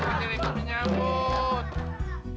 kata apa diriku menyambut